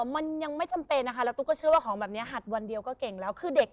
มันยังไม่จำเป็นเราก็เชื่อว่าของแบบนี้หัดวันเดียวก็เก่งแล้ว